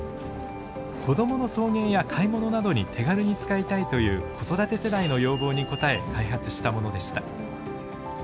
子どもの送迎や買い物などに手軽に使いたいという子育て世代の要望に応え開発したものでした。